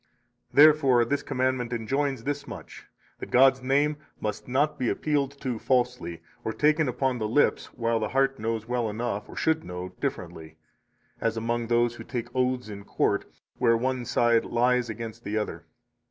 Therefore this commandment enjoins this much, that God's name must not be appealed to falsely, or taken upon the lips, while the heart knows well enough, or should know, differently; as among those who take oaths in court, where one side lies against the other.